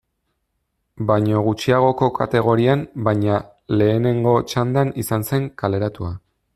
Baino gutxiagoko kategorian baina lehenengo txandan izan zen kaleratua.